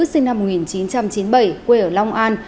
sinh năm một nghìn chín trăm chín mươi bảy quê ở long an